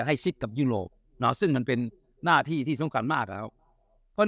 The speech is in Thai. ให้ชิดกับยุโรปซึ่งมันเป็นหน้าที่ที่สำคัญมากเค้าเพราะ